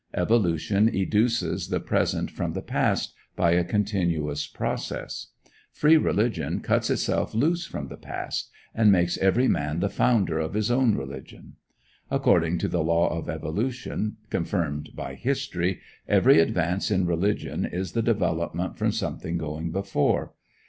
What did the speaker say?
Evolution educes the present from the past by a continuous process. Free Religion cuts itself loose from the past, and makes every man the founder of his own religion. According to the law of evolution, confirmed by history, every advance in religion is the development from something going before.